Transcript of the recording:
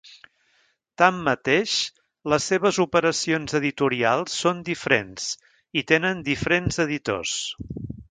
Tanmateix, les seves operacions editorials són diferents i tenen diferents editors.